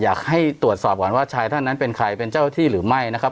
อยากให้ตรวจสอบก่อนว่าชายท่านนั้นเป็นใครเป็นเจ้าที่หรือไม่นะครับ